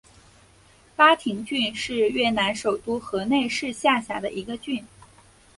巴亭郡是越南首都河内市下辖的一个郡。